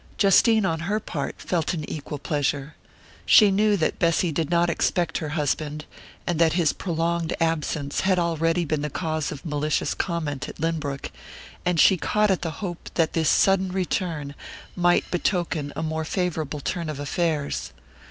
Justine, on her part, felt an equal pleasure. She knew that Bessy did not expect her husband, and that his prolonged absence had already been the cause of malicious comment at Lynbrook; and she caught at the hope that this sudden return might betoken a more favourable turn of affairs.